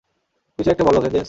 কিছু একটা বলো, ভেনজেন্স।